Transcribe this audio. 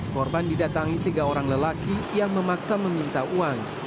korban didatangi tiga orang lelaki yang memaksa meminta uang